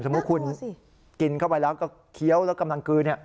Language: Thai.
มุติคุณกินเข้าไปแล้วก็เคี้ยวแล้วกำลังกลืน